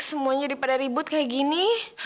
semuanya pada ribut kayak gini